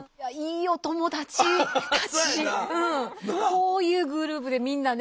こういうグループでみんなね。